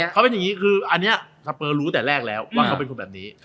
เขาเป็นอย่างนี้คืออันนี้สเปอร์รู้แต่แรกแล้วว่าเขาเป็นคนแบบนี้